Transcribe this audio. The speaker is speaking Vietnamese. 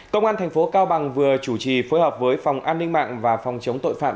công an thành phố cao bằng vừa chủ trì phối hợp với phòng an ninh mạng và phòng chống tội phạm